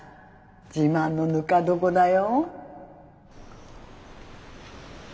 自慢のぬか床だよ。